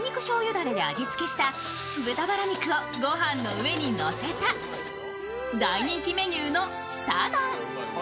だれで味付けした豚バラ肉をご飯の上にのせた大人気メニューのすた丼。